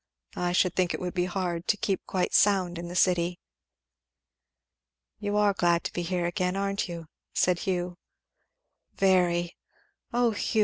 I should think it would be hard to keep quite sound in the city." "You are glad to be here again, aren't you?" said Hugh. "Very! O Hugh!